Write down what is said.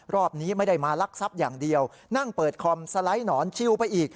รอบนี้ไม่ได้มาลักทรัพย์อย่างเดียวนั่งเปิดคอมสไลด์หนอนชิวไปอีก